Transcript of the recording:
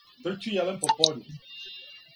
Трчи јелен по пољу!